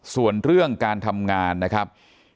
ส่วนเรื่องการทำงานนะครับ